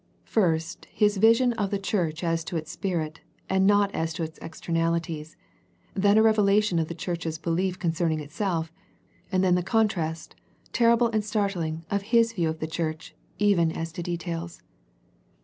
First His vision of the church as to its spirit, and not as to its externalities, then a revelation of the church's belief concerning itself, and then the contrast, terrible and startling of His view of the church, even as to details.